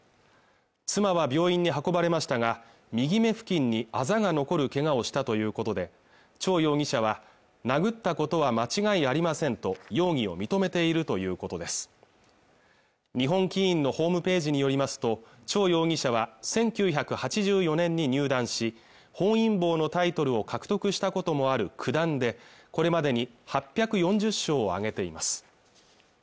妻は病院に運ばれましたが右目付近にあざが残るけがをしたということでチョウ容疑者は殴ったことは間違いありませんと容疑を認めているということです日本棋院のホームページによりますとチョウ容疑者は１９８４年に入段し本因坊のタイトルを獲得したこともある九段でこれまでに８４０勝を挙げています